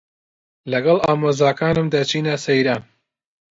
لەگەڵ ئامۆزاکانم دەچینە سەیران.